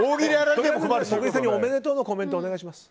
徳井さんにおめでとうのコメントお願いします。